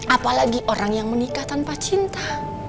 apalagi orang yang menikah tanpa cinta